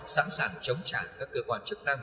sẵn sàng chống trả các cơ quan chức tăng